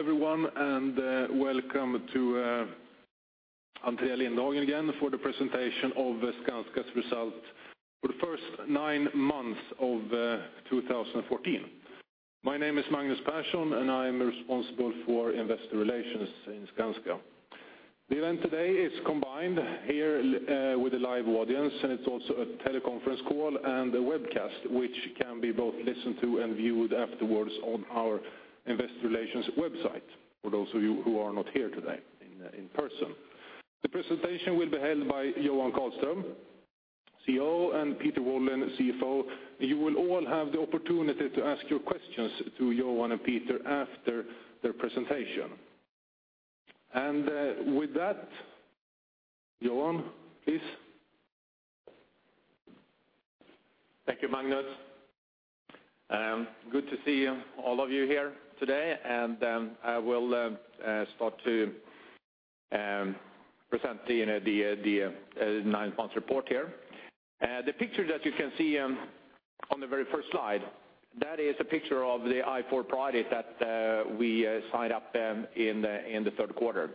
Hello, everyone, and welcome to Entré Lindhagen again for the presentation of Skanska's Result for the first nine months of 2014. My name is Magnus Persson, and I'm responsible for Investor Relations in Skanska. The event today is combined here with a live audience, and it's also a teleconference call and a webcast, which can be both listened to and viewed afterwards on our investor relations website, for those of you who are not here today in person. The presentation will be held by Johan Karlström, CEO, and Peter Wallin, CFO. You will all have the opportunity to ask your questions to Johan and Peter after their presentation. And with that, Johan, please. Thank you, Magnus. Good to see all of you here today, and I will start to present the, you know, the nine-month report here. The picture that you can see on the very first slide, that is a picture of the I-4 project that we signed up in the third quarter.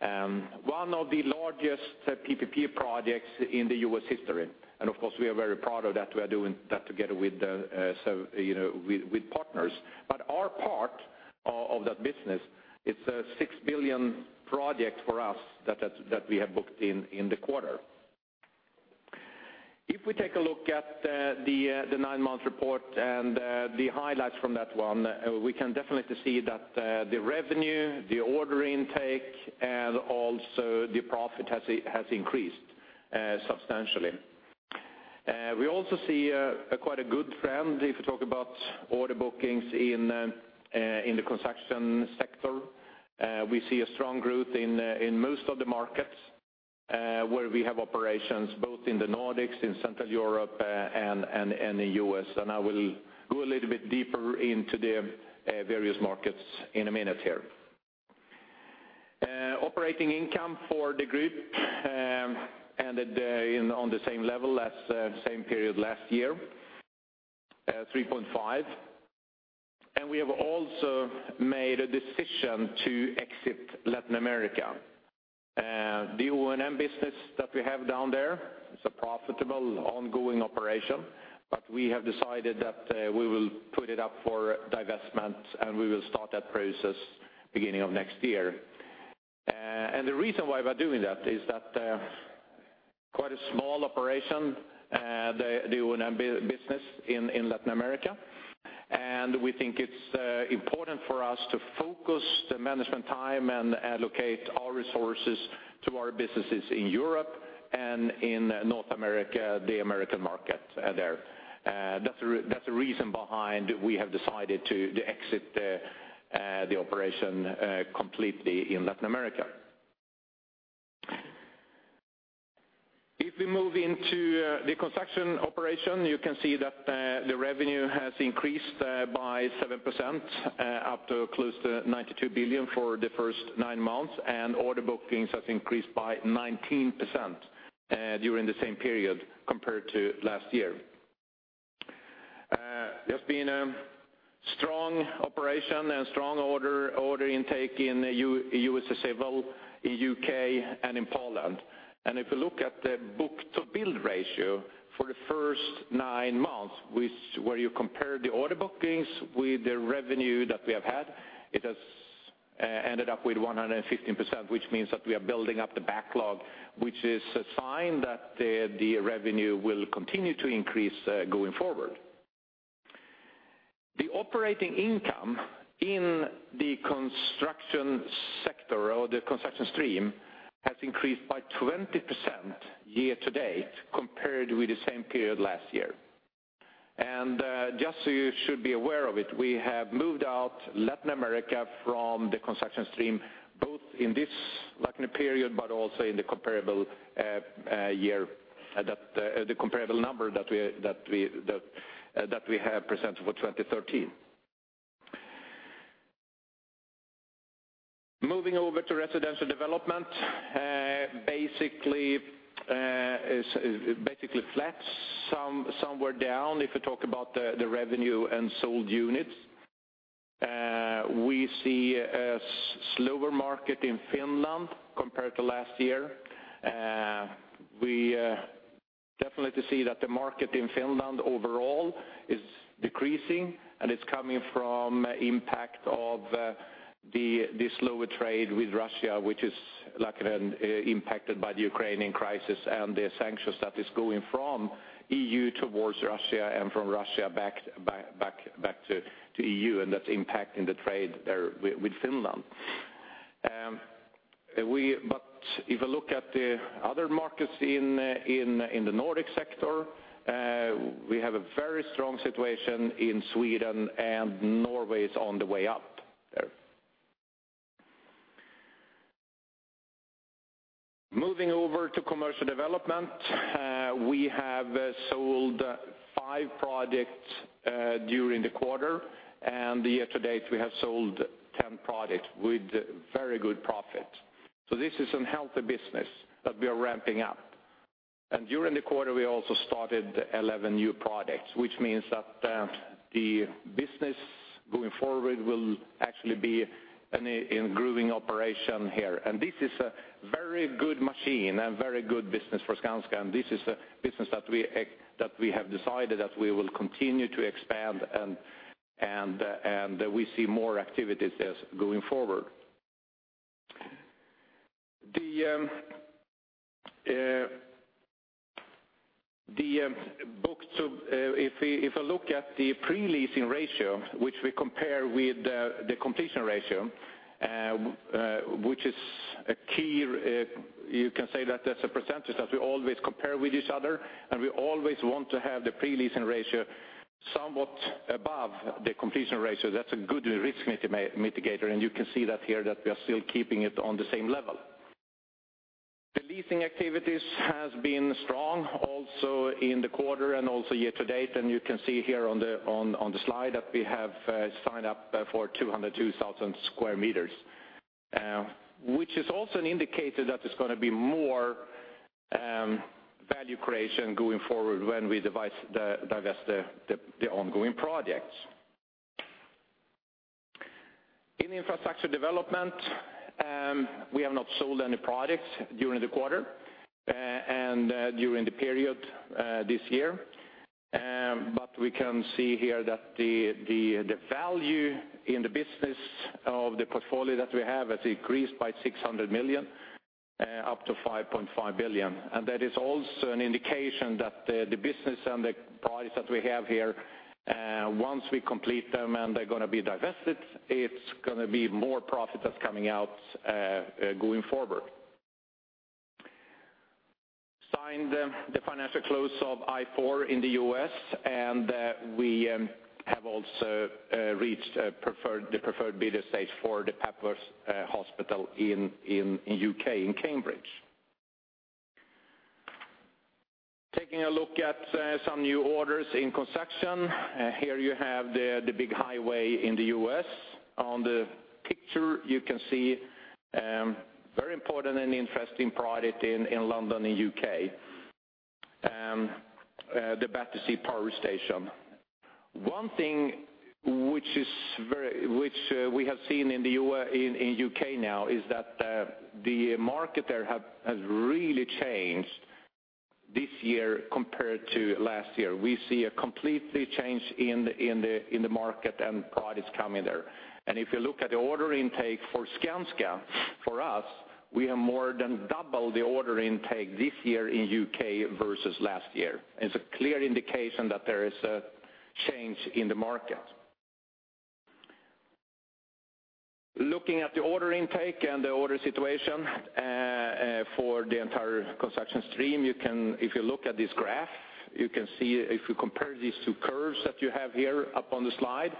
One of the largest PPP projects in the U.S. history, and of course, we are very proud of that. We are doing that together with, so, you know, with partners. But our part of that business, it's a $6 billion project for us that we have booked in the quarter. If we take a look at the nine-month report and the highlights from that one, we can definitely see that the revenue, the order intake, and also the profit has increased substantially. We also see quite a good trend if you talk about order bookings in the construction sector. We see a strong growth in most of the markets where we have operations, both in the Nordics, in Central Europe, and the US. I will go a little bit deeper into the various markets in a minute here. Operating income for the group ended on the same level as same period last year, 3.5. We have also made a decision to exit Latin America. The O&M business that we have down there is a profitable, ongoing operation, but we have decided that we will put it up for divestment, and we will start that process beginning of next year. The reason why we're doing that is that quite a small operation, the O&M business in Latin America, and we think it's important for us to focus the management time and allocate our resources to our businesses in Europe and in North America, the American market, there. That's the reason behind we have decided to exit the operation completely in Latin America. If we move into the construction operation, you can see that the revenue has increased by 7% up to close to 92 billion for the first nine months, and order bookings has increased by 19% during the same period compared to last year. There's been a strong operation and strong order intake in USA Civil, in U.K., and in Poland. And if you look at the book-to-bill ratio for the first nine months, which, where you compare the order bookings with the revenue that we have had, it has ended up with 115%, which means that we are building up the backlog, which is a sign that the revenue will continue to increase going forward. The operating income in the construction sector or the construction stream has increased by 20% year to date, compared with the same period last year. Just so you should be aware of it, we have moved out Latin America from the construction stream, both in this Latin period, but also in the comparable year, the comparable number that we have presented for 2013. Moving over to residential development, basically is basically flat, somewhere down if you talk about the revenue and sold units. We see a slower market in Finland compared to last year. We definitely see that the market in Finland overall is decreasing, and it's coming from impact of the slower trade with Russia, which is like impacted by the Ukrainian crisis and the sanctions that is going from EU towards Russia and from Russia back to EU, and that's impacting the trade there with Finland. But if you look at the other markets in the Nordic sector, we have a very strong situation in Sweden, and Norway is on the way up there. Moving over to commercial development, we have sold 5 projects during the quarter, and the year to date, we have sold 10 projects with very good profit. So this is some healthy business that we are ramping up. During the quarter, we also started 11 new projects, which means that the business going forward will actually be a growing operation here. This is a very good machine and very good business for Skanska, and this is a business that we have decided that we will continue to expand, and we see more activities going forward. The book to, if I look at the pre-leasing ratio, which we compare with the completion ratio, which is a key, you can say that that's a percentage that we always compare with each other, and we always want to have the pre-leasing ratio somewhat above the completion ratio. That's a good risk mitigator, and you can see that here, that we are still keeping it on the same level. The leasing activities has been strong also in the quarter and also year to date, and you can see here on the slide that we have signed up for 202,000 square meters, which is also an indicator that there's gonna be more value creation going forward when we divest the ongoing projects. In infrastructure development, we have not sold any products during the quarter and during the period this year. But we can see here that the value in the business of the portfolio that we have has increased by 600 million up to 5.5 billion. And that is also an indication that the business and the products that we have here, once we complete them and they're gonna be divested, it's gonna be more profit that's coming out, going forward. Signed the financial close of I-4 in the U.S., and we have also reached the preferred bidder stage for the Papworth Hospital in the U.K., in Cambridge. Taking a look at some new orders in construction, here you have the big highway in the U.S. On the picture, you can see very important and interesting product in London, in the U.K., the Battersea Power Station. One thing which we have seen in the U.K. now is that the market there has really changed this year compared to last year. We see a complete change in the market and products coming there. If you look at the order intake for Skanska, for us, we have more than double the order intake this year in the UK versus last year. It's a clear indication that there is a change in the market. Looking at the order intake and the order situation for the entire construction stream, you can. If you look at this graph, you can see, if you compare these two curves that you have here up on the slide,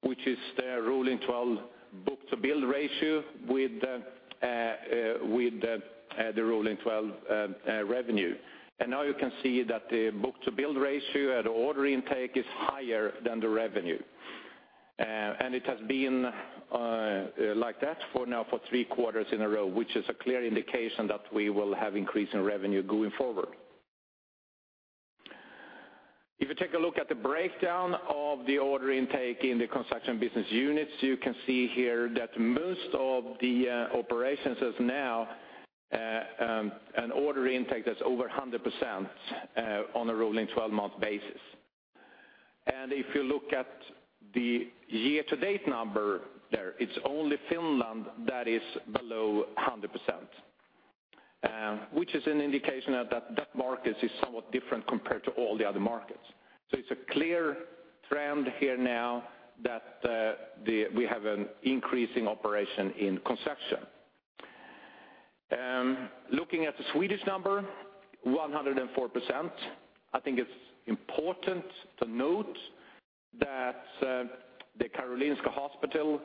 which is the rolling twelve book-to-bill ratio with the rolling twelve revenue. And now you can see that the book-to-bill ratio and order intake is higher than the revenue. And it has been like that for now for three quarters in a row, which is a clear indication that we will have increase in revenue going forward. If you take a look at the breakdown of the order intake in the construction business units, you can see here that most of the operations as now an order intake that's over 100% on a rolling twelve-month basis. And if you look at the year to date number there, it's only Finland that is below 100%, which is an indication that that market is somewhat different compared to all the other markets. So it's a clear trend here now that we have an increasing operation in construction. Looking at the Swedish number, 104%, I think it's important to note that the Karolinska Hospital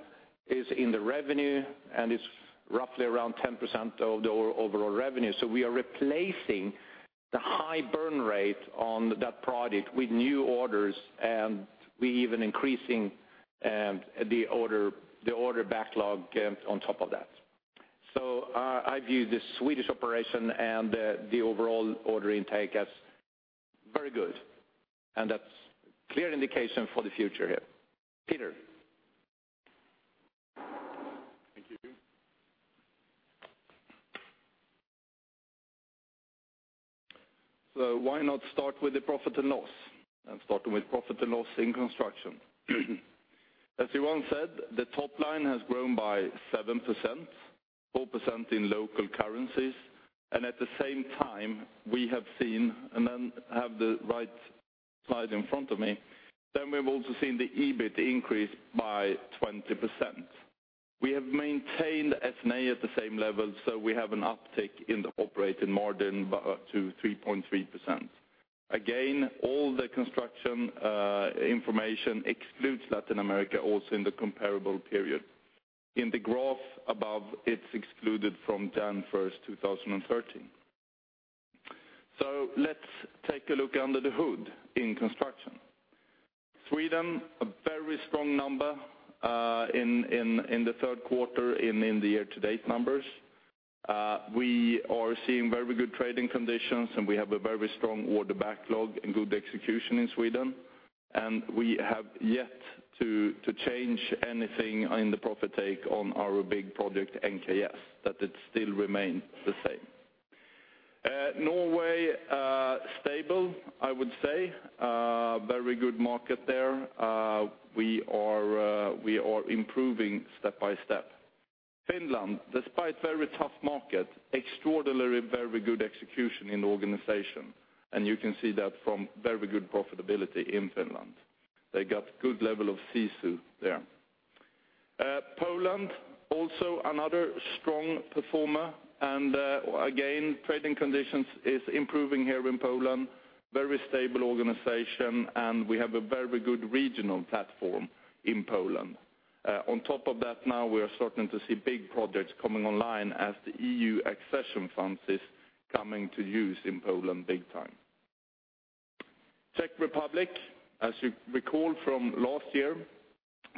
is in the revenue, and it's roughly around 10% of the overall revenue. So we are replacing the high burn rate on that product with new orders, and we even increasing the order backlog on top of that. So I view the Swedish operation and the overall order intake as very good, and that's clear indication for the future here. Peter? Thank you. So why not start with the profit and loss? I'm starting with profit and loss in construction. As Johan said, the top line has grown by 7%, 4% in local currencies, and at the same time, we have seen and then have the right slide in front of me, then we've also seen the EBIT increase by 20%. We have maintained SNA at the same level, so we have an uptick in the operating margin by up to 3.3%. Again, all the construction information excludes Latin America, also in the comparable period. In the graph above, it's excluded from January 1, 2013. So let's take a look under the hood in construction. Sweden, a very strong number in the third quarter in the year-to-date numbers. We are seeing very good trading conditions, and we have a very strong order backlog and good execution in Sweden. We have yet to change anything in the profit take on our big project, NKS, that it still remains the same. Norway, stable, I would say. Very good market there. We are improving step-by-step. Finland, despite very tough market, extraordinarily very good execution in the organization, and you can see that from very good profitability in Finland. They got good level of sisu there. Poland, also another strong performer, and again, trading conditions is improving here in Poland. Very stable organization, and we have a very good regional platform in Poland. On top of that, now we are starting to see big projects coming online as the EU accession funds is coming to use in Poland big time. Czech Republic, as you recall from last year,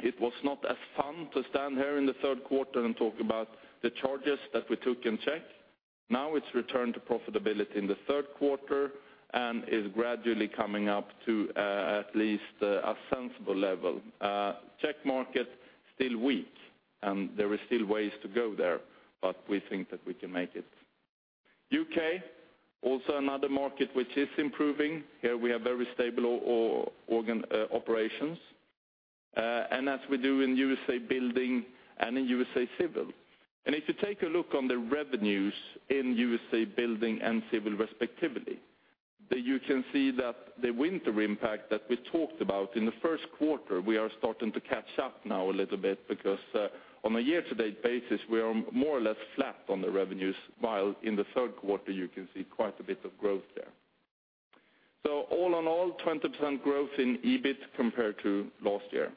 it was not as fun to stand here in the third quarter and talk about the charges that we took in Czech. Now, it's returned to profitability in the third quarter, and is gradually coming up to at least a sensible level. Czech market, still weak, and there is still ways to go there, but we think that we can make it. UK, also another market which is improving. Here we have very stable operations and as we do in USA Building and in USA Civil. If you take a look on the revenues in USA Building and Civil respectively, that you can see that the winter impact that we talked about in the first quarter, we are starting to catch up now a little bit, because, on a year-to-date basis, we are more or less flat on the revenues, while in the third quarter, you can see quite a bit of growth there. So all in all, 20% growth in EBIT compared to last year.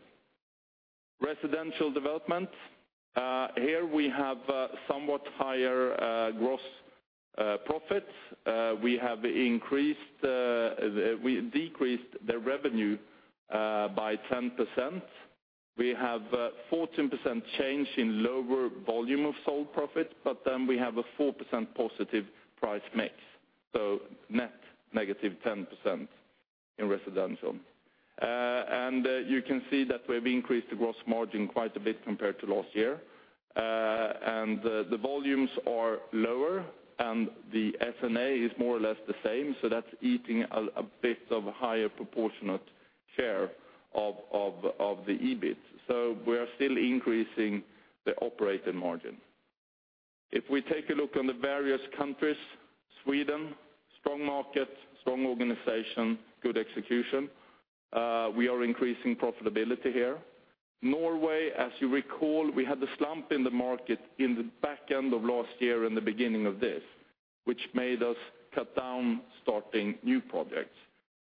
Residential development, here we have somewhat higher gross profits. We decreased the revenue by 10%. We have 14% change in lower volume of sold profit, but then we have a 4% positive price mix, so net negative 10% in residential. You can see that we've increased the gross margin quite a bit compared to last year. The volumes are lower, and the SNA is more or less the same, so that's eating a bit of a higher proportionate share of the EBIT. So we are still increasing the operating margin. If we take a look on the various countries, Sweden, strong market, strong organization, good execution. We are increasing profitability here. Norway, as you recall, we had a slump in the market in the back end of last year and the beginning of this, which made us cut down starting new projects.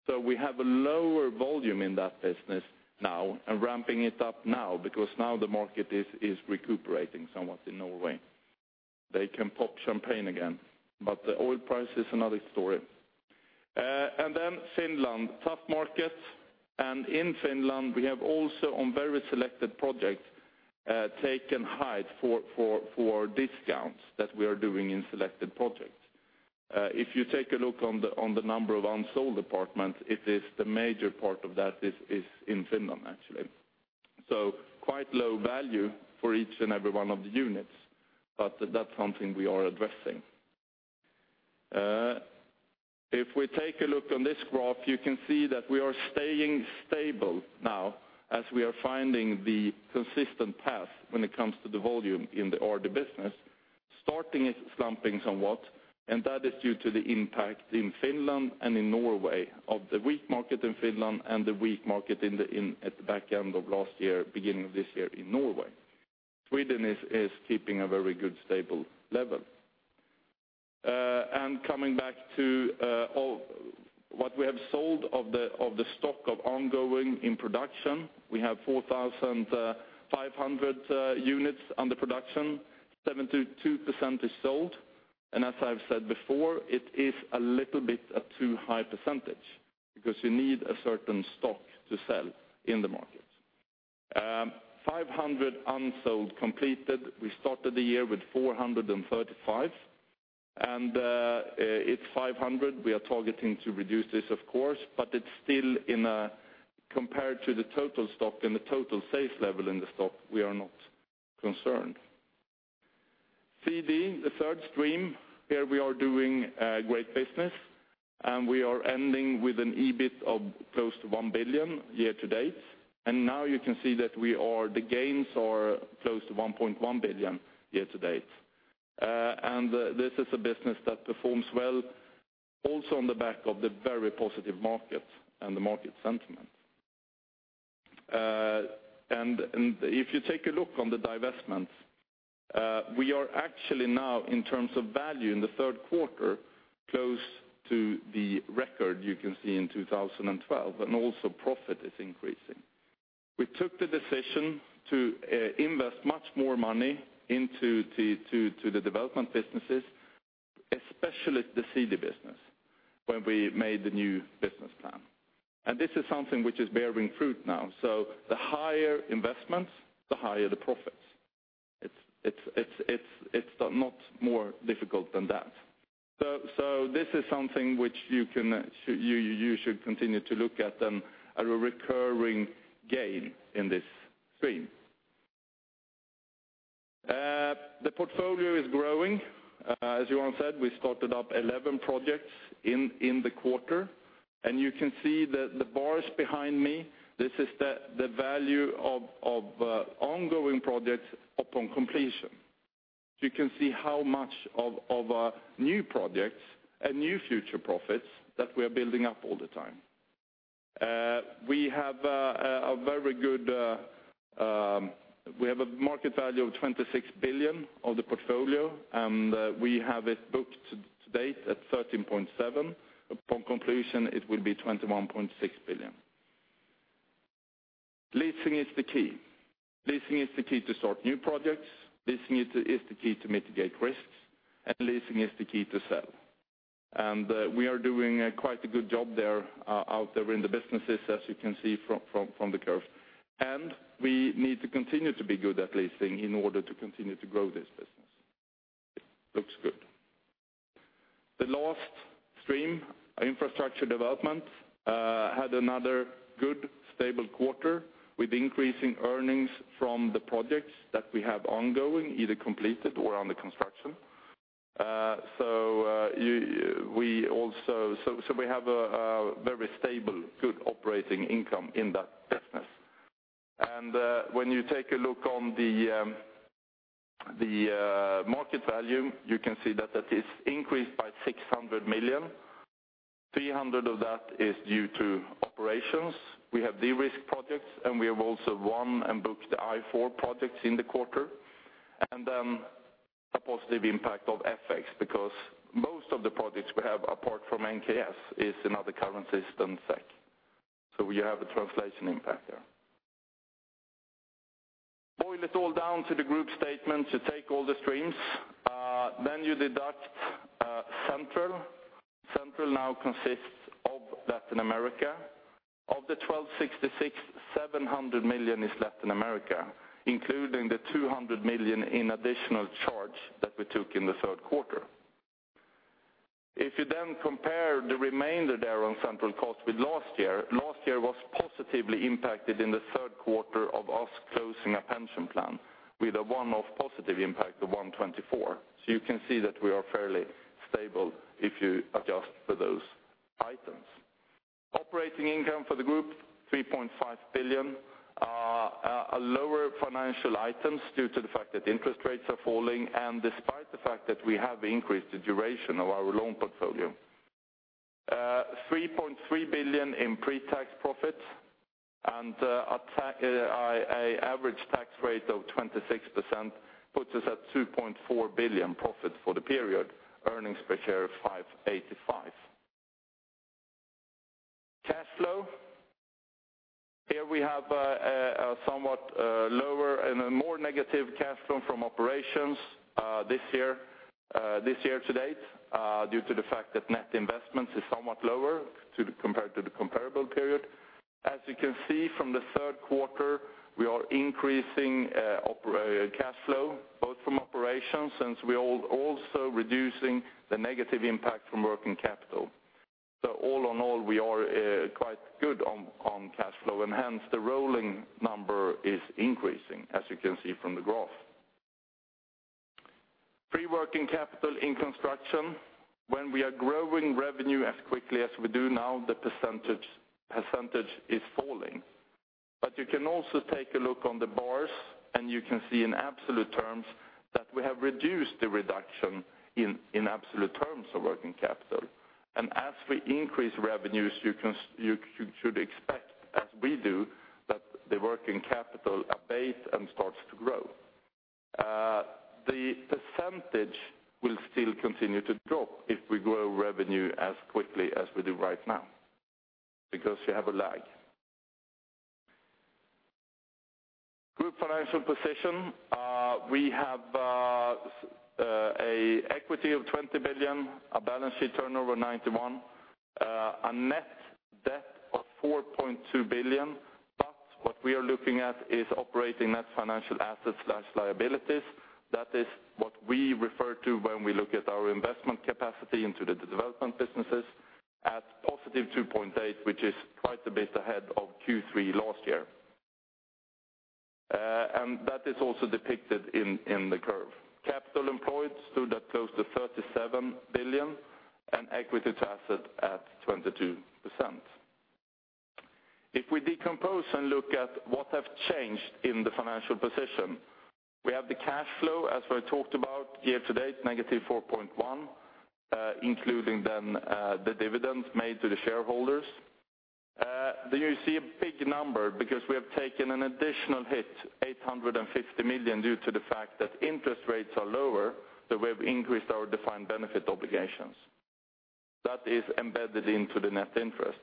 So we have a lower volume in that business now, and ramping it up now, because now the market is recuperating somewhat in Norway. They can pop champagne again, but the oil price is another story. And then Finland, tough market, and in Finland, we have also, on very selected projects, taken hits for discounts that we are doing in selected projects. If you take a look on the number of unsold apartments, it is the major part of that is in Finland, actually. So quite low value for each and every one of the units, but that's something we are addressing. If we take a look on this graph, you can see that we are staying stable now, as we are finding the consistent path when it comes to the volume in the RD business. Starting is slumping somewhat, and that is due to the impact in Finland and in Norway, of the weak market in Finland and the weak market at the back end of last year, beginning of this year in Norway. Sweden is keeping a very good, stable level. And coming back to all... What we have sold of the stock of ongoing in production, we have 4,500 units under production, 72% is sold. And as I've said before, it is a little bit a too high percentage, because you need a certain stock to sell in the market. Five hundred unsold completed. We started the year with 435, and it's 500. We are targeting to reduce this, of course, but it's still in a compared to the total stock and the total sales level in the stock, we are not concerned. CD, the third stream, here we are doing great business, and we are ending with an EBIT of close to 1 billion year to date. Now you can see that we are, the gains are close to 1.1 billion year to date. And this is a business that performs well, also on the back of the very positive market and the market sentiment. And if you take a look on the divestments, we are actually now, in terms of value in the third quarter, close to the record you can see in 2012, and also profit is increasing. We took the decision to invest much more money into the development businesses, especially the CD business, when we made the new business plan. This is something which is bearing fruit now. The higher investments, the higher the profits. It's not more difficult than that. This is something which you should continue to look at them at a recurring gain in this stream. The portfolio is growing. As Johan said, we started up 11 projects in the quarter, and you can see the bars behind me. This is the value of ongoing projects upon completion. You can see how much of our new projects and new future profits that we are building up all the time. We have a very good market value of 26 billion of the portfolio, and we have it booked to date at 13.7 billion. Upon completion, it will be 21.6 billion. Leasing is the key. Leasing is the key to start new projects, leasing is the key to mitigate risks, and leasing is the key to sell. We are doing quite a good job there out there in the businesses, as you can see from the curve. We need to continue to be good at leasing in order to continue to grow this business. Looks good. The last stream, Infrastructure Development, had another good, stable quarter with increasing earnings from the projects that we have ongoing, either completed or under construction. So, we also, so we have a very stable, good operating income in that business. And when you take a look on the market value, you can see that that is increased by 600 million. 300 of that is due to operations. We have de-risked projects, and we have also won and booked the I-4 projects in the quarter. And then a positive impact of FX, because most of the projects we have, apart from NKS, is in other currency systems SEK, so you have a translation impact there. Boil it all down to the group statement to take all the streams, then you deduct central. Central now consists of Latin America. Of the 1,266, 700 million is Latin America, including the 200 million in additional charge that we took in the third quarter. If you then compare the remainder there on central cost with last year, last year was positively impacted in the third quarter of us closing a pension plan with a one-off positive impact of 124 million. So you can see that we are fairly stable if you adjust for those items. Operating income for the group, 3.5 billion. A lower financial items due to the fact that interest rates are falling, and despite the fact that we have increased the duration of our loan portfolio. Three point three billion in pre-tax profits and, a average tax rate of 26% puts us at 2.4 billion profit for the period, earnings per share of 5.85. Cash flow. Here we have a somewhat lower and a more negative cash flow from operations this year to date due to the fact that net investment is somewhat lower too compared to the comparable period. As you can see from the third quarter, we are increasing cash flow both from operations, since we are also reducing the negative impact from working capital. So all in all, we are quite good on cash flow, and hence, the rolling number is increasing, as you can see from the graph. Free working capital in construction. When we are growing revenue as quickly as we do now, the percentage is falling. But you can also take a look on the bars, and you can see in absolute terms that we have reduced the reduction in absolute terms of working capital. As we increase revenues, you can, you should expect, as we do, that the working capital abates and starts to grow. The percentage will still continue to drop if we grow revenue as quickly as we do right now, because you have a lag. Group financial position. We have an equity of 20 billion, a balance sheet turnover 91, a net debt of 4.2 billion. But what we are looking at is operating net financial assets/liabilities. That is what we refer to when we look at our investment capacity into the development businesses at positive 2.8 billion, which is quite a bit ahead of Q3 last year. And that is also depicted in the curve. Capital employed stood at close to 37 billion, and equity to asset at 22%. If we decompose and look at what have changed in the financial position, we have the cash flow, as I talked about, year to date, negative 4.1 billion, including then the dividend made to the shareholders. You see a big number, because we have taken an additional hit, 850 million, due to the fact that interest rates are lower, so we have increased our defined benefit obligations.... that is embedded into the net interest.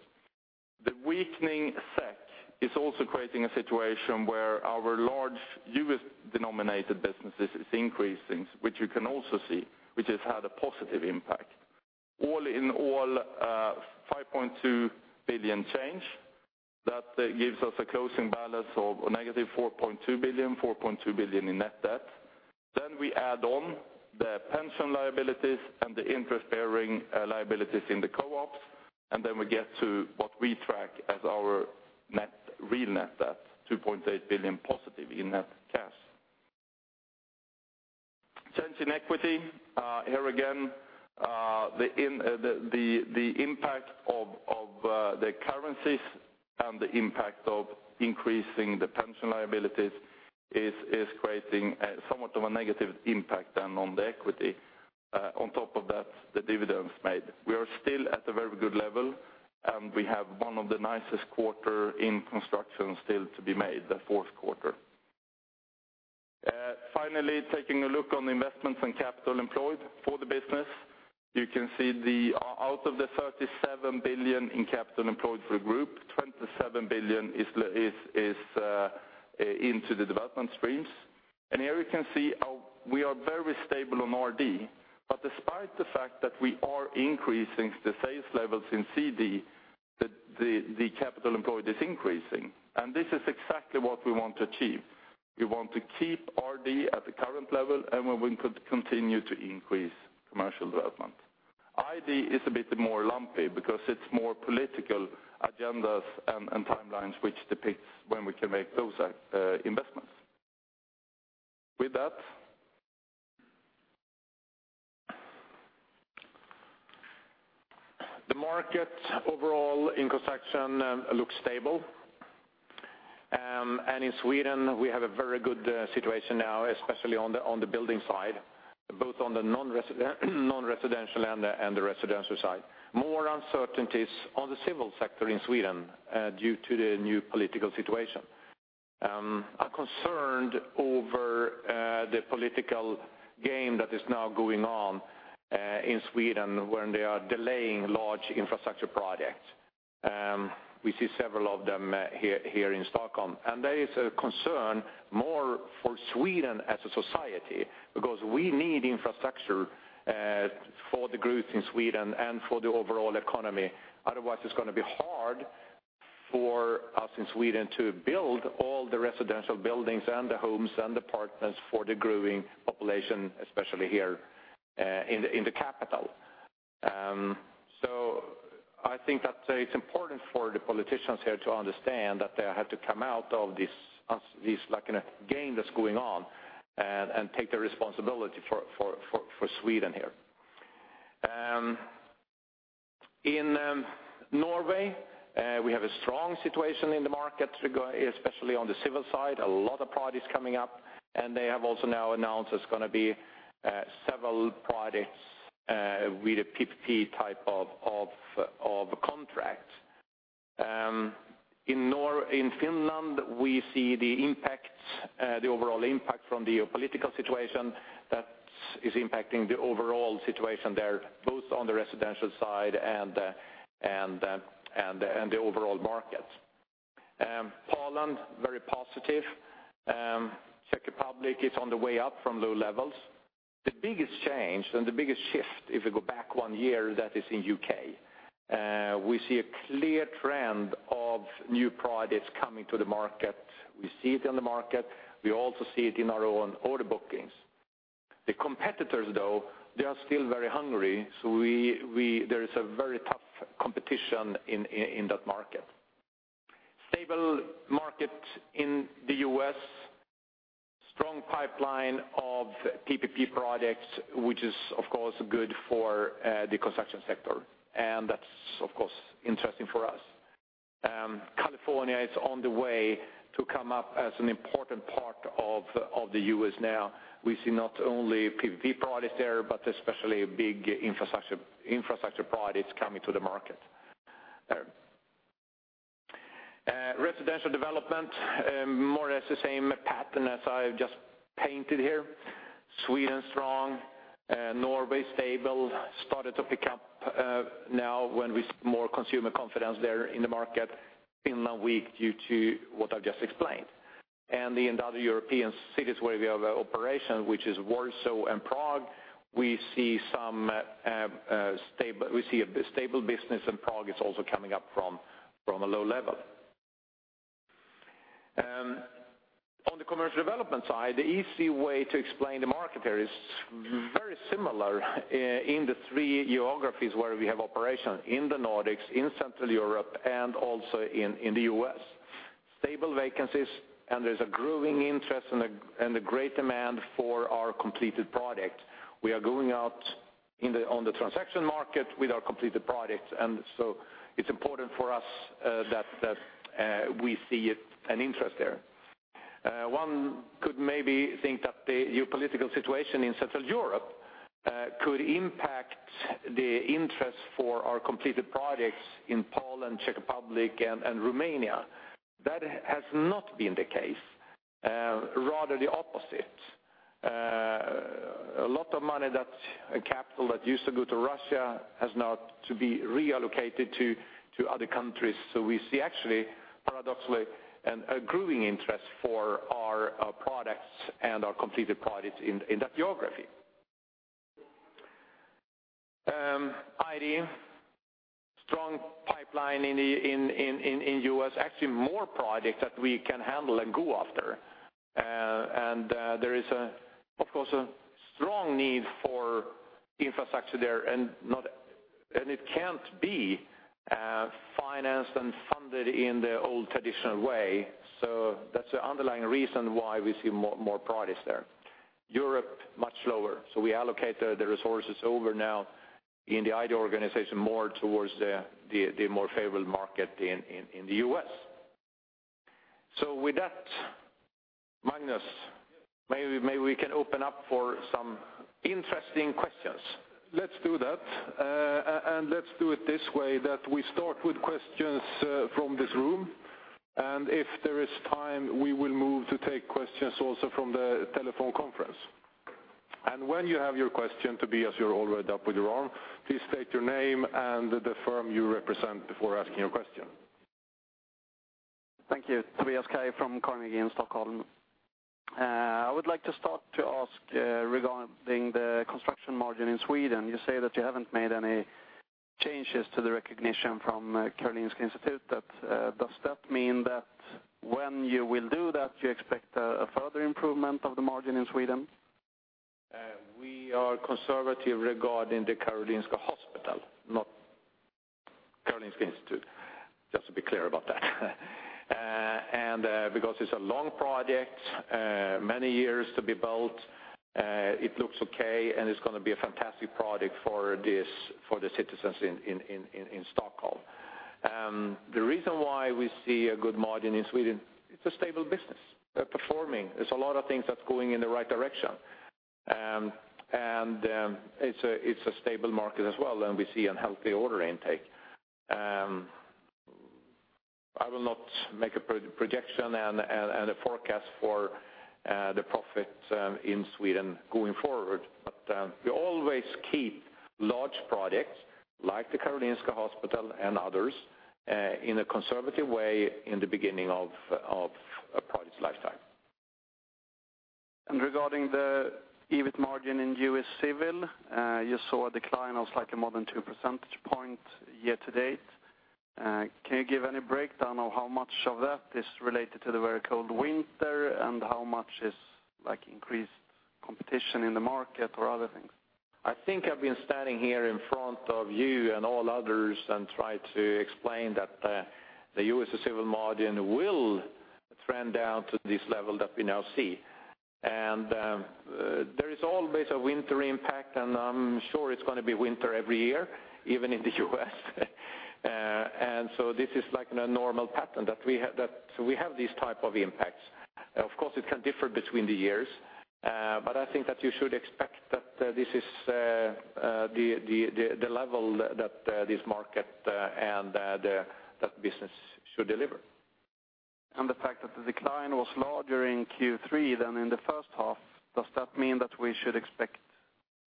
The weakening effect is also creating a situation where our large U.S.-denominated businesses is increasing, which you can also see, which has had a positive impact. All in all, 5.2 billion change, that gives us a closing balance of -4.2 billion, 4.2 billion in net debt. Then we add on the pension liabilities and the interest-bearing, liabilities in the co-ops, and then we get to what we track as our net, real net debt, 2.8 billion positive in net cash. Change in equity, here again, the impact of the currencies and the impact of increasing the pension liabilities is creating somewhat of a negative impact on the equity. On top of that, the dividends made. We are still at a very good level, and we have one of the nicest quarters in construction still to be made, the fourth quarter. Finally, taking a look on investments and capital employed for the business. You can see the out of the 37 billion in capital employed for group, 27 billion is into the development streams. And here you can see our—we are very stable on RD. But despite the fact that we are increasing the sales levels in CD, the capital employed is increasing, and this is exactly what we want to achieve. We want to keep RD at the current level, and we want to continue to increase commercial development. ID is a bit more lumpy because it's more political agendas and timelines, which depicts when we can make those investments. With that... The market overall in construction looks stable. In Sweden, we have a very good situation now, especially on the building side, both on the non-residential and the residential side. More uncertainties on the civil sector in Sweden due to the new political situation. We are concerned over the political game that is now going on in Sweden, when they are delaying large infrastructure projects. We see several of them here in Stockholm, and there is a concern more for Sweden as a society, because we need infrastructure for the growth in Sweden and for the overall economy. Otherwise, it's gonna be hard for us in Sweden to build all the residential buildings and the homes and apartments for the growing population, especially here in the capital. So I think that it's important for the politicians here to understand that they have to come out of this us-versus-them, like, in a game that's going on, and take the responsibility for Sweden here. In Norway, we have a strong situation in the market, especially on the civil side. A lot of projects coming up, and they have also now announced there's gonna be several projects with a PPP type of contract. In Finland, we see the impacts, the overall impact from the geopolitical situation that is impacting the overall situation there, both on the residential side and the overall market. Poland, very positive. Czech Republic is on the way up from low levels. The biggest change and the biggest shift, if we go back one year, that is in UK. We see a clear trend of new projects coming to the market. We see it in the market. We also see it in our own order bookings. The competitors, though, they are still very hungry, so there is a very tough competition in that market. Stable market in the US. Strong pipeline of PPP projects, which is, of course, good for the construction sector, and that's, of course, interesting for us. California is on the way to come up as an important part of the US now. We see not only PPP projects there, but especially big infrastructure projects coming to the market there. Residential development, more or less the same pattern as I've just painted here. Sweden, strong. Norway, stable, started to pick up, now when we see more consumer confidence there in the market. Finland, weak, due to what I've just explained. And in the other European cities where we have an operation, which is Warsaw and Prague, we see a stable business, and Prague is also coming up from a low level. On the commercial development side, the easy way to explain the market here is very similar in the three geographies where we have operations, in the Nordics, in Central Europe, and also in the US. Stable vacancies, and there's a growing interest and a great demand for our completed product. We are going out in the, on the transaction market with our completed products, and so it's important for us, that we see an interest there. One could maybe think that the geopolitical situation in Central Europe could impact the interest for our completed projects in Poland, Czech Republic, and Romania. That has not been the case, rather the opposite. A lot of money and capital that used to go to Russia has now to be reallocated to other countries. So we see actually, paradoxically, a growing interest for our products and our completed products in that geography. ID strong pipeline in the US, actually more projects that we can handle and go after. And there is, of course, a strong need for infrastructure there and it can't be financed and funded in the old traditional way, so that's the underlying reason why we see more projects there. Europe, much slower, so we allocate the resources over now in the ID organization, more towards the more favorable market in the US. So with that, Magnus, maybe we can open up for some interesting questions. Let's do that. And let's do it this way, that we start with questions from this room, and if there is time, we will move to take questions also from the telephone conference. And when you have your question, Tobias, you're already up with your arm, please state your name and the firm you represent before asking your question. Thank you. Tobias Kaj from Carnegie in Stockholm. I would like to start to ask regarding the construction margin in Sweden. You say that you haven't made any changes to the recognition from Karolinska Hospital, but does that mean that when you will do that, you expect a further improvement of the margin in Sweden? We are conservative regarding the Karolinska Hospital, not Karolinska Institute, just to be clear about that. Because it's a long project, many years to be built, it looks okay, and it's gonna be a fantastic project for this, for the citizens in Stockholm. The reason why we see a good margin in Sweden, it's a stable business. They're performing. There's a lot of things that's going in the right direction. It's a stable market as well, and we see a healthy order intake. I will not make a projection and a forecast for the profits in Sweden going forward, but we always keep large projects, like the Karolinska Hospital and others, in a conservative way in the beginning of a project's lifetime. Regarding the EBIT margin in US Civil, you saw a decline of like more than two percentage point year to date. Can you give any breakdown on how much of that is related to the very cold winter, and how much is, like, increased competition in the market or other things? I think I've been standing here in front of you and all others and try to explain that, the U.S. Civil margin will trend down to this level that we now see. And there is always a winter impact, and I'm sure it's gonna be winter every year, even in the U.S. And so this is like in a normal pattern, that we have these type of impacts. Of course, it can differ between the years, but I think that you should expect that this is the level that this market and that business should deliver. The fact that the decline was larger in Q3 than in the first half, does that mean that we should expect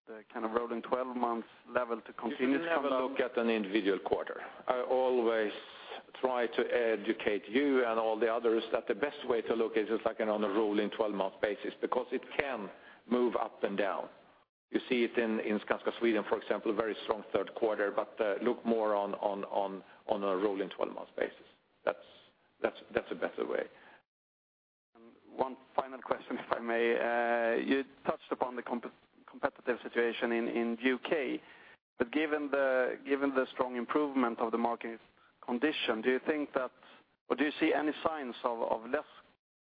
the kind of rolling 12 months level to continue to come down? You can never look at an individual quarter. I always try to educate you and all the others that the best way to look is just like on a rolling 12-month basis, because it can move up and down. You see it in Skanska Sweden, for example, a very strong third quarter, but look more on a rolling 12-month basis. That's a better way. One final question, if I may. You touched upon the competitive situation in the U.K., but given the strong improvement of the market condition, do you think that, or do you see any signs of less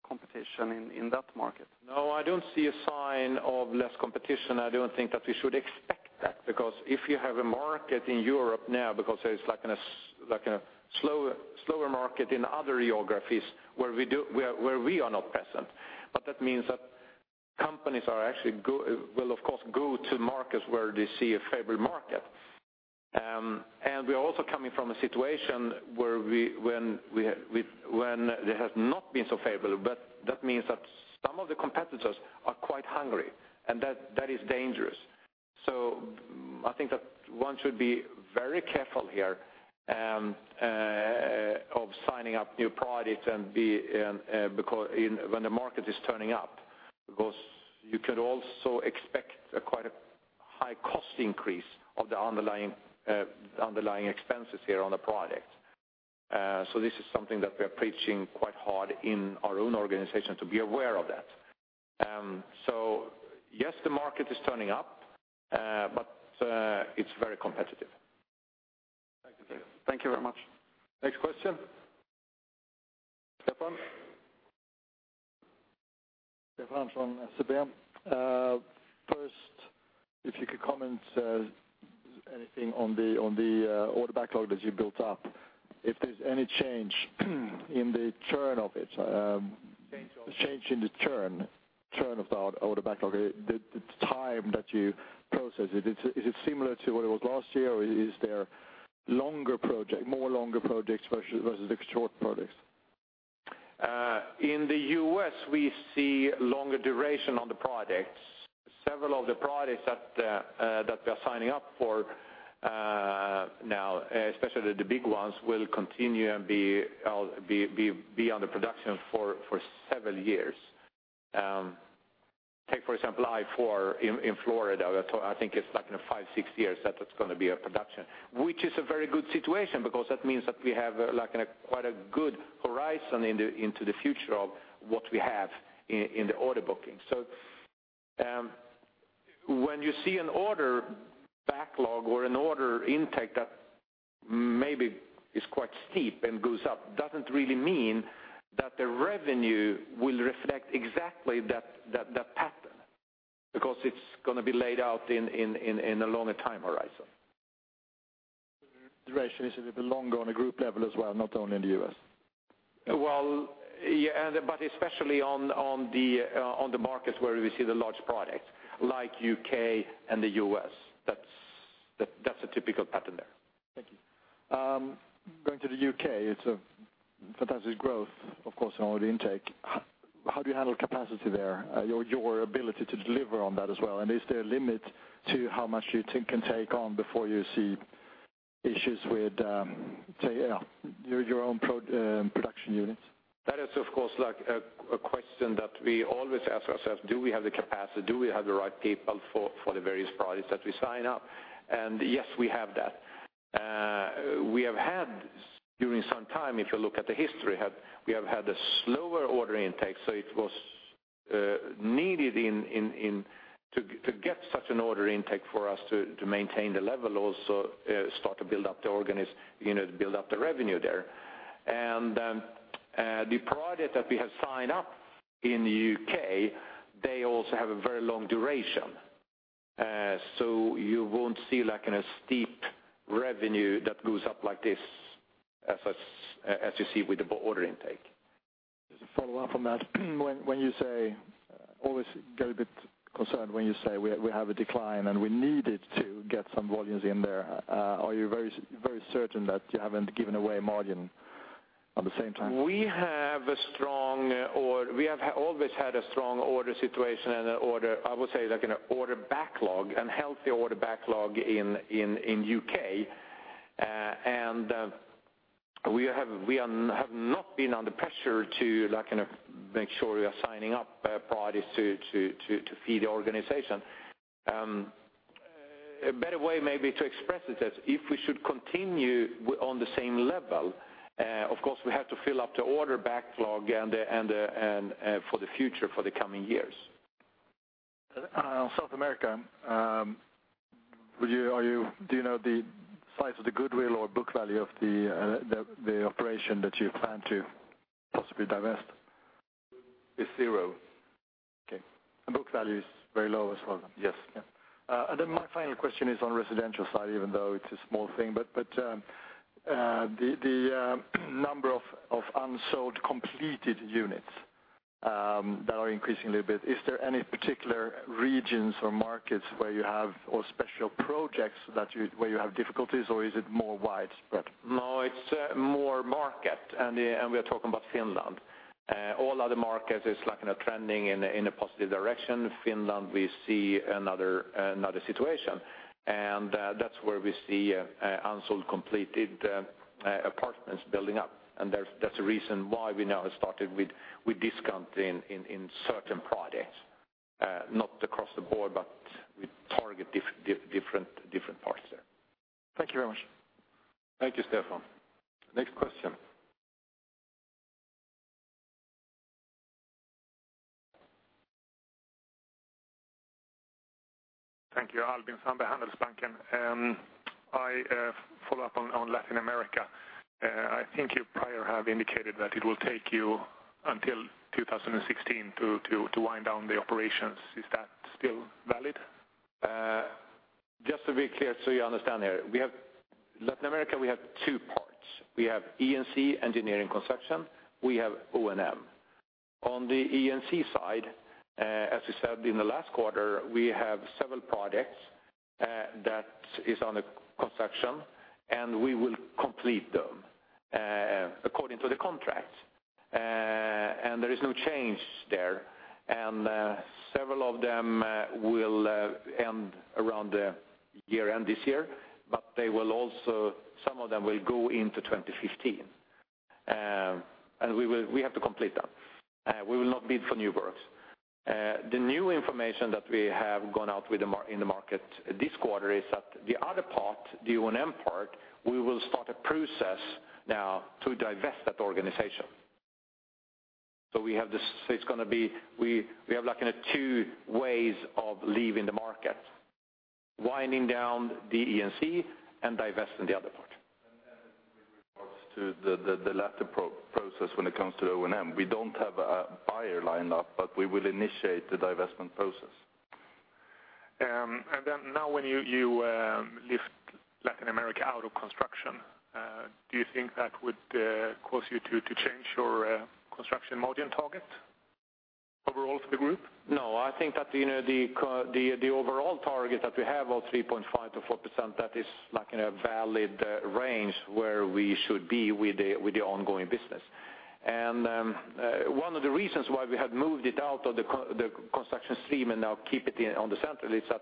competition in that market? No, I don't see a sign of less competition. I don't think that we should expect that, because if you have a market in Europe now, because there's like a slower market in other geographies where we are not present, but that means that companies are actually will, of course, go to markets where they see a favorable market. And we're also coming from a situation where it has not been so favorable, but that means that some of the competitors are quite hungry, and that is dangerous. So I think that one should be very careful here of signing up new projects when the market is turning up, because you can also expect a quite a high cost increase of the underlying underlying expenses here on the project. So this is something that we're preaching quite hard in our own organization, to be aware of that. So yes, the market is turning up, but it's very competitive. Thank you. Thank you very much. Next question? Stefan? Stefan from SEB. First, if you could comment anything on the order backlog that you built up, if there's any change in the turn of it? Change of? Change in the turnover of the order backlog, the time that you process it. Is it similar to what it was last year, or is there longer project, more longer projects versus the short projects? ... In the U.S., we see longer duration on the projects. Several of the projects that that we are signing up for now, especially the big ones, will continue and be on the production for several years. Take, for example, I-4 in Florida. I think it's like in 5-6 years that it's going to be a production, which is a very good situation, because that means that we have, like, a quite a good horizon into the future of what we have in the order booking. So, when you see an order backlog or an order intake that maybe is quite steep and goes up, doesn't really mean that the revenue will reflect exactly that pattern, because it's going to be laid out in a longer time horizon. Duration is a bit longer on a group level as well, not only in the U.S. Well, yeah, but especially on the markets where we see the large projects, like U.K. and the U.S., that's a typical pattern there. Thank you. Going to the UK, it's a fantastic growth, of course, on order intake. How do you handle capacity there, your ability to deliver on that as well? And is there a limit to how much you think can take on before you see issues with, say, your own production units? That is, of course, like a question that we always ask ourselves: Do we have the capacity? Do we have the right people for the various projects that we sign up? And yes, we have that. We have had, during some time, if you look at the history, we have had a slower order intake, so it was needed to get such an order intake for us to maintain the level, also start to build up, you know, to build up the revenue there. And the project that we have signed up in the UK, they also have a very long duration. So you won't see, like, a steep revenue that goes up like this, as you see with the order intake. Just a follow-up on that. When you say, always get a bit concerned, when you say we have a decline, and we needed to get some volumes in there, are you very, very certain that you haven't given away margin at the same time? We have a strong, we have always had a strong order situation and an order, I would say, like, an order backlog, and healthy order backlog in UK. We have not been under pressure to, like, kind of make sure we are signing up projects to feed the organization. A better way maybe to express it is, if we should continue on the same level, of course, we have to fill up the order backlog and for the future, for the coming years. South America, would you, are you, do you know the size of the goodwill or book value of the operation that you plan to possibly divest? It's zero. Okay. And book value is very low as well? Yes. Yeah. And then my final question is on residential side, even though it's a small thing, but the number of unsold completed units that are increasing a little bit. Is there any particular regions or markets where you have, or special projects that you, where you have difficulties, or is it more widespread? No, it's more market, and we are talking about Finland. All other markets is, like, kind of trending in a positive direction. Finland, we see another situation, and that's where we see unsold, completed apartments building up. And that's the reason why we now have started with discounting in certain projects, not across the board, but we target different parts there. Thank you very much. Thank you, Stefan. Next question. Thank you. Albin Sandberg, Handelsbanken. I follow up on Latin America. I think you prior have indicated that it will take you until 2016 to wind down the operations. Is that still valid? Just to be clear, so you understand here, we have, Latin America, we have two parts. We have E&C, engineering construction, we have O&M. On the E&C side, as we said in the last quarter, we have several projects that is under construction, and we will complete them according to the contracts. And there is no change there. And several of them will end around the year-end this year, but they will also, some of them will go into 2015. And we have to complete that. We will not bid for new works. The new information that we have gone out with in the market this quarter is that the other part, the O&M part, we will start a process now to divest that organization. So we have this. It's going to be we have, like, a two ways of leaving the market, winding down the E&C and divesting the other part. And in regards to the latter process when it comes to O&M, we don't have a buyer lined up, but we will initiate the divestment process. And then now when you lift Latin America out of construction, do you think that would cause you to change your construction margin target? Overall for the group? No, I think that, you know, the overall target that we have of 3.5%-4%, that is like in a valid range where we should be with the ongoing business. And one of the reasons why we have moved it out of the construction stream and now keep it in the center is that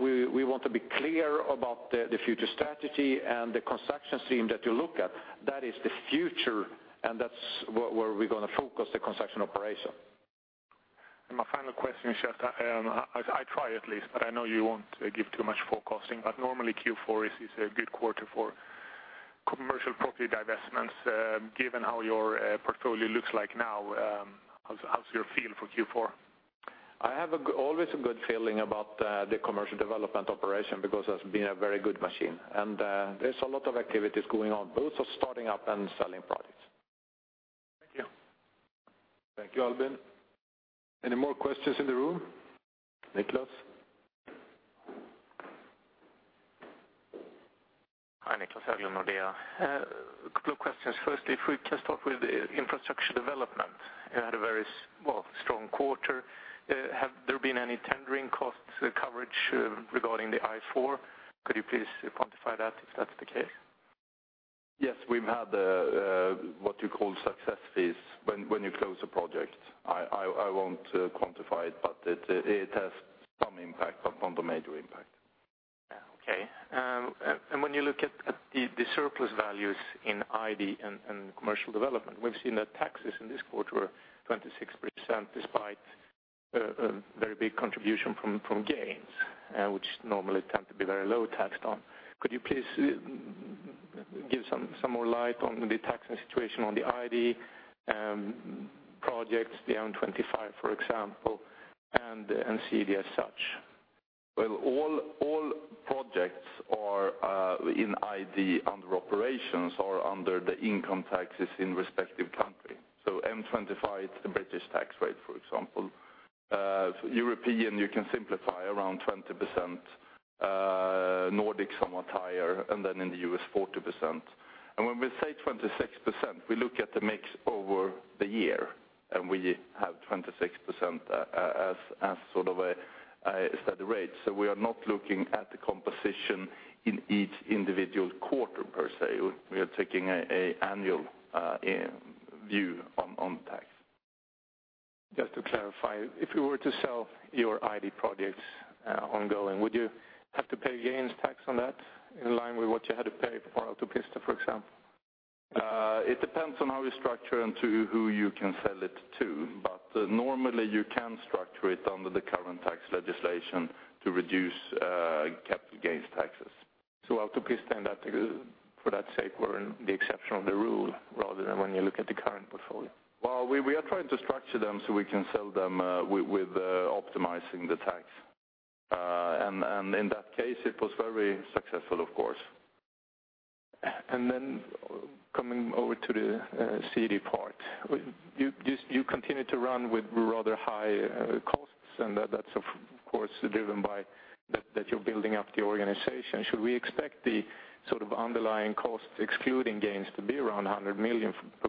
we want to be clear about the future strategy, and the construction stream that you look at, that is the future, and that's where we're gonna focus the construction operation. And my final question, Johan, I try at least, but I know you won't give too much forecasting. But normally, Q4 is a good quarter for commercial property divestments. Given how your portfolio looks like now, how's your feel for Q4? I have always a good feeling about the commercial development operation, because that's been a very good machine. There's a lot of activities going on, both of starting up and selling products. Thank you. Thank you, Albin. Any more questions in the room? Niclas? Hi, Niclas Höglund of Nordea. A couple of questions. Firstly, if we can start with infrastructure development. You had a very, well, strong quarter. Have there been any tendering costs coverage regarding the I-4? Could you please quantify that, if that's the case? Yes, we've had what you call success fees when you close a project. I won't quantify it, but it has some impact, but not a major impact. Yeah, okay. When you look at the surplus values in ID and commercial development, we've seen that taxes in this quarter were 26%, despite a very big contribution from gains, which normally tend to be very low taxed on. Could you please give some more light on the taxing situation on the ID projects, the M25, for example, and CD as such? Well, all projects are in ID under operations or under the income taxes in respective country. So M25, the British tax rate, for example. So European, you can simplify around 20%, Nordic, somewhat higher, and then in the U.S., 40%. And when we say 26%, we look at the mix over the year, and we have 26% as sort of a steady rate. So we are not looking at the composition in each individual quarter, per se. We are taking an annual view on tax. Just to clarify, if you were to sell your ID projects, ongoing, would you have to pay gains tax on that in line with what you had to pay for Autopista, for example? It depends on how you structure and to who you can sell it to, but normally, you can structure it under the current tax legislation to reduce capital gains taxes. So Autopista and that, for that sake, were the exception of the rule, rather than when you look at the current portfolio? Well, we are trying to structure them so we can sell them with optimizing the tax. In that case, it was very successful, of course. Then coming over to the CD part, you continue to run with rather high costs, and that's of course driven by that you're building up the organization. Should we expect the sort of underlying costs, excluding gains, to be around 100 million per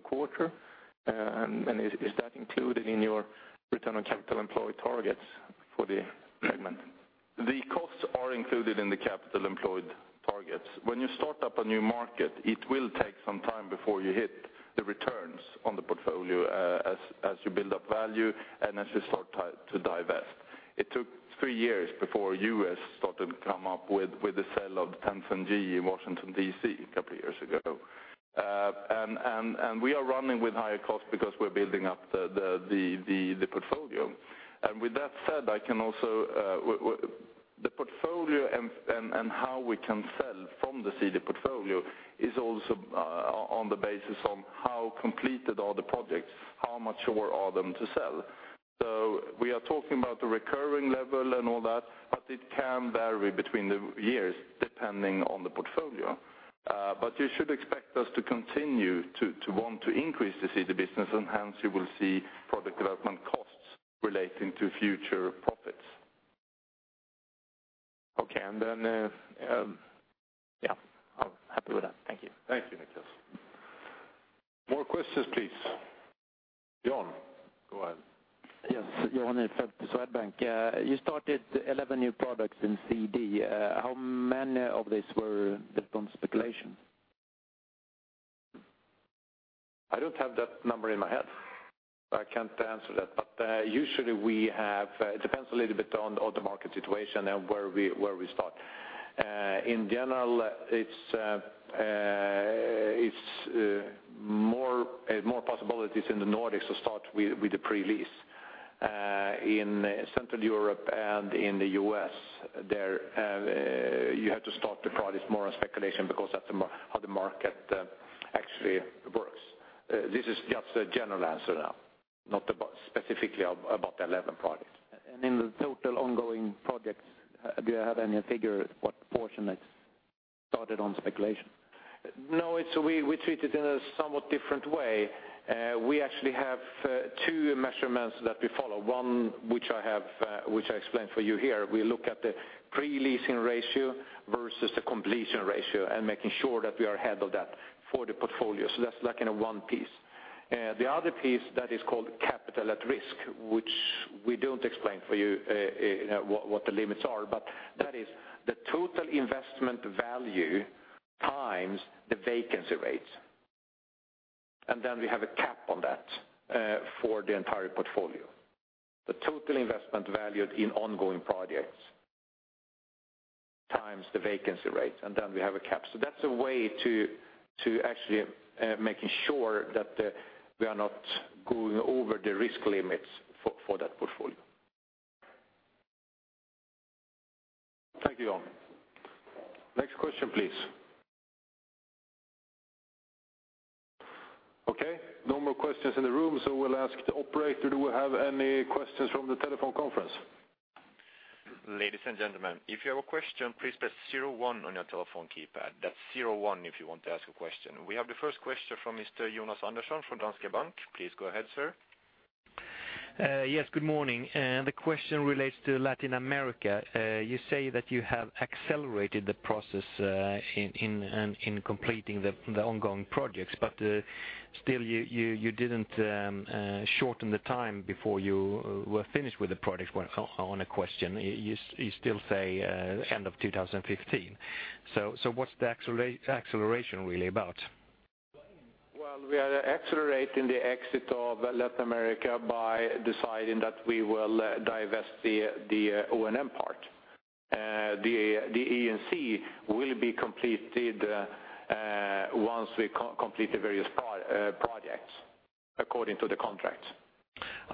quarter? And is that included in your return on capital employed targets for the segment? The costs are included in the capital employed targets. When you start up a new market, it will take some time before you hit the returns on the portfolio, as you build up value and as you start to divest. It took 3 years before U.S. started to come up with the sale of 10th and G in Washington, D.C., a couple of years ago. We are running with higher costs because we're building up the portfolio. With that said, the portfolio and how we can sell from the CD portfolio is also on the basis of how completed are the projects, how mature are them to sell. So we are talking about the recurring level and all that, but it can vary between the years, depending on the portfolio. But you should expect us to continue to want to increase the CD business, and hence you will see product development costs relating to future profits. Okay. And then, yeah, I'm happy with that. Thank you. Thank you, Nicholas. More questions, please. John, go ahead. Yes, John from Swedbank. You started 11 new products in CD. How many of these were built on speculation? I don't have that number in my head, so I can't answer that. But usually we have... It depends a little bit on the market situation and where we start. In general, it's more possibilities in the Nordics to start with the pre-lease. In Central Europe and in the U.S., there you have to start the products more on speculation because that's how the market actually works. This is just a general answer now, not specifically about the 11 products. In the total ongoing projects, do you have any figure what proportion is started on speculation? No, it's we, we treat it in a somewhat different way. We actually have two measurements that we follow. One, which I have, which I explained for you here. We look at the pre-leasing ratio versus the completion ratio and making sure that we are ahead of that for the portfolio. So that's like in a one piece. The other piece that is called capital at risk, which we don't explain for you, what, what the limits are, but that is the total investment value times the vacancy rate. And then we have a cap on that, for the entire portfolio. The total investment value in ongoing projects times the vacancy rate, and then we have a cap. So that's a way to, to actually, making sure that, we are not going over the risk limits for, for that portfolio. Thank you, Johan. Next question, please. Okay, no more questions in the room, so we'll ask the operator, do we have any questions from the telephone conference? Ladies and gentlemen, if you have a question, please press zero one on your telephone keypad. That's zero one if you want to ask a question. We have the first question from Mr. Jonas Andersson from Danske Bank. Please go ahead, sir. Yes, good morning. The question relates to Latin America. You say that you have accelerated the process in completing the ongoing projects, but still you didn't shorten the time before you were finished with the project. On the question, you still say end of 2015. So what's the acceleration really about? Well, we are accelerating the exit of Latin America by deciding that we will divest the O&M part. The E&C will be completed once we complete the various projects according to the contract.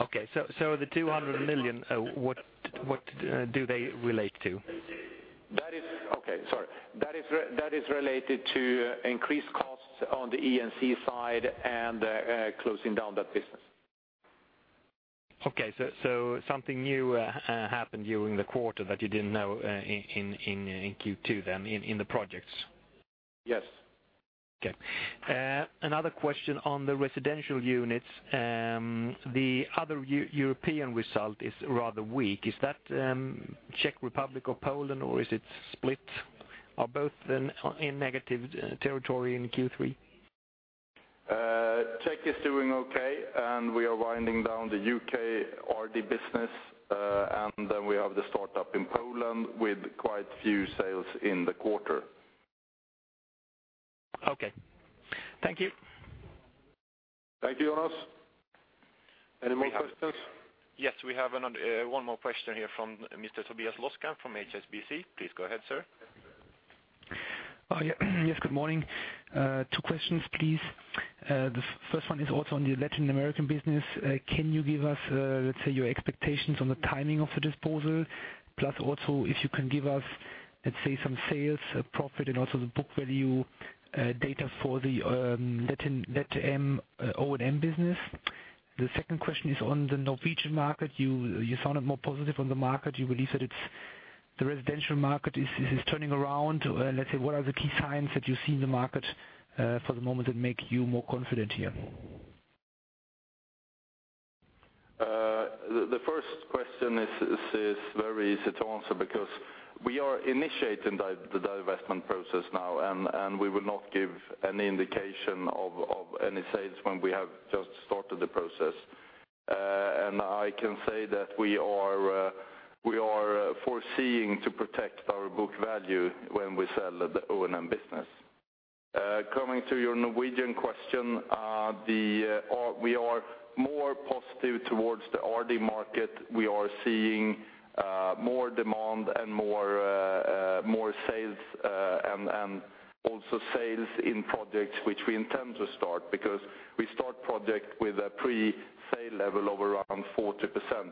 Okay, so the 200 million, what do they relate to? That is... Okay, sorry. That is related to increased costs on the E&C side and closing down that business. Okay, so something new happened during the quarter that you didn't know in Q2, then in the projects? Yes. Okay. Another question on the residential units. The other European result is rather weak. Is that Czech Republic or Poland, or is it split? Are both in negative territory in Q3? Czech is doing okay, and we are winding down the UK RD business, and then we have the startup in Poland with quite a few sales in the quarter. Okay. Thank you. Thank you, Jonas. Any more questions? Yes, we have another, one more question here from Mr. Tobias Loske from HSBC. Please go ahead, sir. Oh, yeah. Yes, good morning. Two questions, please. The first one is also on the Latin American business. Can you give us, let's say, your expectations on the timing of the disposal, plus also if you can give us, let's say, some sales profit and also the book value data for the Latin LatAm O&M business? The second question is on the Norwegian market. You sounded more positive on the market. You believe that it's the residential market is turning around. Let's say, what are the key signs that you see in the market for the moment that make you more confident here? The first question is very easy to answer because we are initiating the divestment process now, and we will not give any indication of any sales when we have just started the process. And I can say that we are foreseeing to protect our book value when we sell the O&M business. Coming to your Norwegian question, we are more positive towards the RD market. We are seeing more demand and more sales, and also sales in projects which we intend to start, because we start project with a pre-sale level of around 40%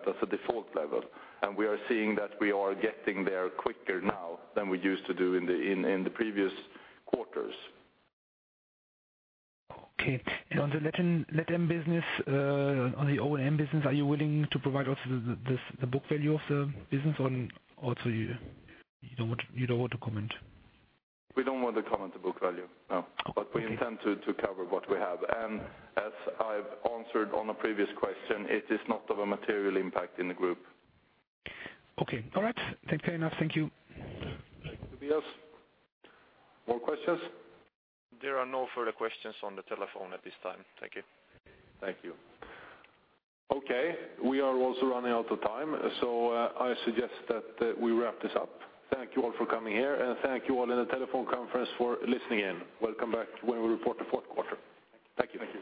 as a default level. And we are seeing that we are getting there quicker now than we used to do in the previous quarters. Okay. And on the LatAm business, on the O&M business, are you willing to provide also the book value of the business, or also you don't want to comment? We don't want to comment the book value, no. Okay. We intend to cover what we have. And as I've answered on a previous question, it is not of a material impact in the group. Okay. All right. Thank you enough. Thank you. Thank you, Tobias. More questions? There are no further questions on the telephone at this time. Thank you. Thank you. Okay, we are also running out of time, so, I suggest that, we wrap this up. Thank you all for coming here, and thank you all in the telephone conference for listening in. Welcome back when we report the fourth quarter. Thank you. Thank you.